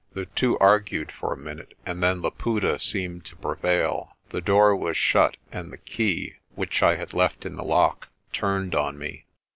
The two argued for a minute, and then Laputa seemed to prevail. The door was shut and the key, which I had left in the lock, turned on me.